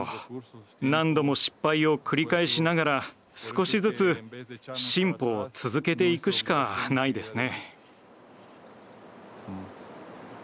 何度も失敗を繰り返しながら少しずつ進歩を続けていくしかないですね。